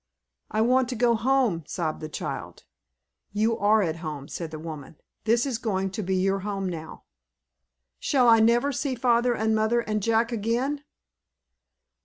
"I want to go home," sobbed the child. "You are at home," said the woman. "This is going to be your home now." "Shall I never see father and mother and Jack, again?"